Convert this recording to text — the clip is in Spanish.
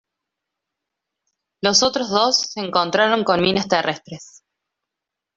Los otros dos se encontraron con minas terrestres.